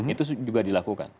itu juga dilakukan